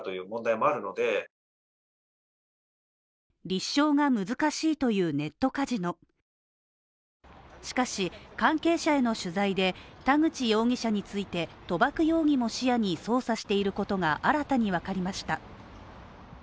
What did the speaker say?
立証が難しいというネットカジノしかし、関係者への取材で田口容疑者について、賭博容疑も視野に捜査していることが新たにわかりました。